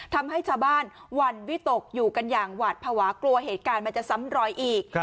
ทำให้ชาวบ้านหวั่นวิตกอยู่กันอย่างหวาดภาวะกลัวเหตุการณ์มันจะซ้ำรอยอีก